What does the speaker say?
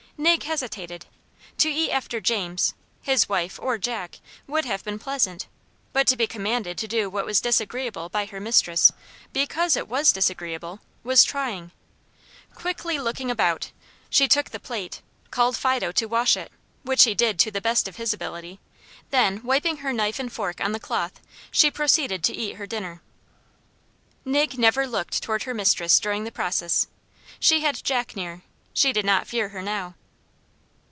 Nig hesitated. To eat after James, his wife or Jack, would have been pleasant; but to be commanded to do what was disagreeable by her mistress, BECAUSE it was disagreeable, was trying. Quickly looking about, she took the plate, called Fido to wash it, which he did to the best of his ability; then, wiping her knife and fork on the cloth, she proceeded to eat her dinner. Nig never looked toward her mistress during the process. She had Jack near; she did not fear her now.